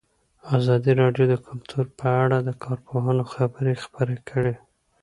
ازادي راډیو د کلتور په اړه د کارپوهانو خبرې خپرې کړي.